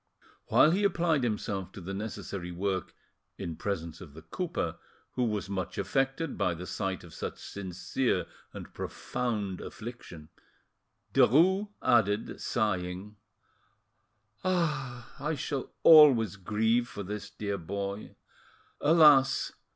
While he applied himself to the necessary work in presence of the cooper, who was much affected by the sight of such sincere and profound affliction, Derues added, sighing— "I shall always grieve for this dear boy. Alas!